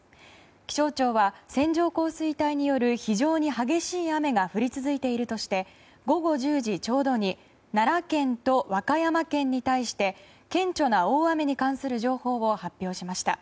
気象庁は線状降水帯による非常に激しい雨が降り続いているとして午後１０時ちょうどに奈良県と和歌山県に対して顕著な大雨に関する情報を発表しました。